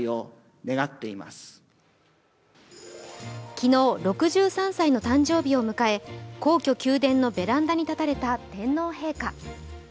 昨日、６３歳の誕生日を迎え、皇居・宮殿のベランダに立たれた天皇陛下。